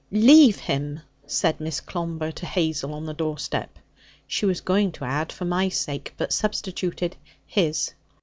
'Leave him!' said Miss Clomber to Hazel on the doorstep. She was going to add 'for my sake,' but substituted 'his.'